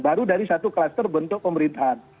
baru dari satu kluster bentuk pemerintahan